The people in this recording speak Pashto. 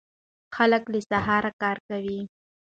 خلک له سهاره کار کوي.